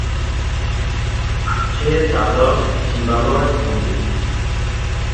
আছে দ্বাদশ সিবালয় মন্দির।